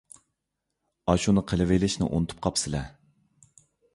ئاشۇنى قىلىۋېلىشنى ئۇنتۇپ قاپسىلە!